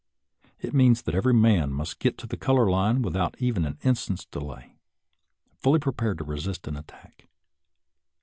It means that every man must get to the color line without even an instant's de lay, fully prepared to resist an attack.